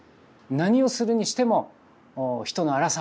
何をするにしても人のあら探し。